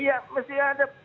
iya pasti ada